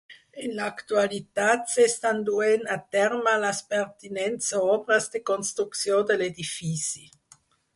En l'actualitat s'estan duent a terme les pertinents obres de construcció de l'edifici.